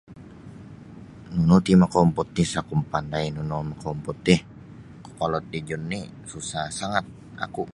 Nunu ti mokompod ti isa ku mapandai nunu mokompod ti kokolod dijun ni susah sangat aku.